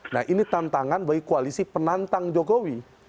nah ini tantangan bagi koalisi penantang jokowi